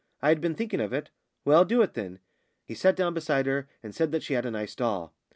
"I had been thinking of it." "Well, do it then." He sat down beside her, and said that she had a nice doll.